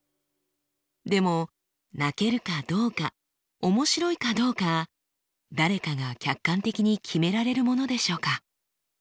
でも泣けるかどうか面白いかどうか誰かが客観的に決められるものでしょうか？